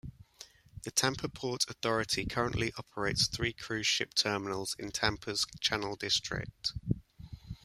The Tampa Port Authority currently operates three cruise ship terminals in Tampa's Channel District.